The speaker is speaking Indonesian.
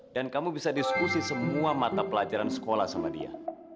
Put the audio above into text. dan kamu bisa diskusi semua mata pelajaran sekolah sama dia